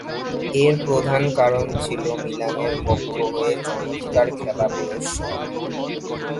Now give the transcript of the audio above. এর প্রধান কারণ ছিল মিলানের পক্ষ হয়ে চমৎকার খেলা প্রদর্শন।